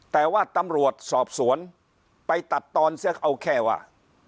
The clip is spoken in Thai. แต่ว่าตำรวจสอบสวนไปตัดตอนเสียเอาแค่ว่า